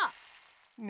ね